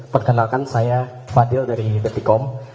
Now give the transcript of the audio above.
perkenalkan saya fadil dari kompas com